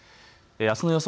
あすの予想